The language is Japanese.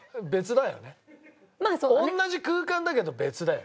同じ空間だけど別だよ。